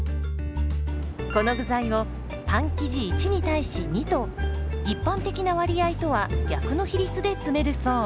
この具材をパン生地１に対し２と一般的な割合とは逆の比率で詰めるそう。